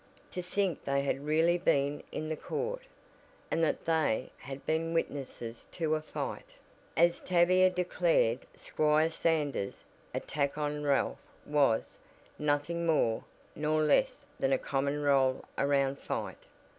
To think they had really been in the court, and that they had been witnesses to "a fight," as Tavia declared Squire Sanders' attack on Ralph was "nothing more nor less than a common roll around fight."